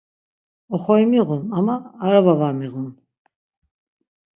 Oxori miğun ama araba var miğun.